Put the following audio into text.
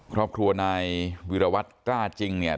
ครอบครัวนายวิรวัตรกล้าจริงเนี่ย